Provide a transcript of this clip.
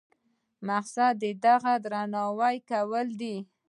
مقصد د هغې درناوی کول دي.